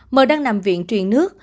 m đang nằm viện truyền nước